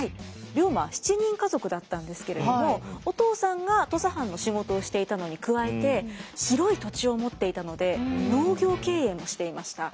龍馬は７人家族だったんですけれどもお父さんが土佐藩の仕事をしていたのに加えて広い土地を持っていたので農業経営もしていました。